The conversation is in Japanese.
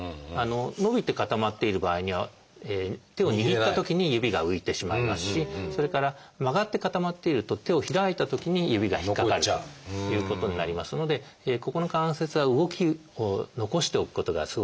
伸びて固まっている場合には手を握ったときに指が浮いてしまいますしそれから曲がって固まっていると手を開いたときに指が引っかかるということになりますのでここの関節は動きを残しておくことがすごく大事。